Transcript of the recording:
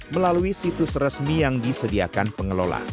melalui situs resmi yang disediakan pengelola